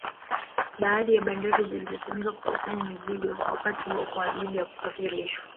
Baadhi ya bandari zilizotumika kukusanya mizigo wakati huo kwa ajili ya kusafirishwa